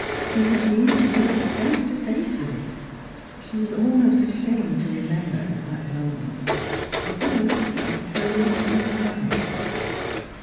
She had been brought face to face with it. She was almost ashamed to remember at that moment a verse about pearls and swine.